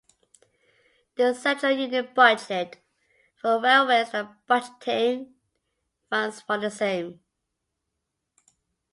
The central union budget for railways had budgeted funds for the same.